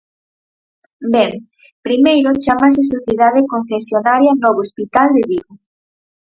Ben, primeiro chámase Sociedade Concesionaria Novo Hospital de Vigo.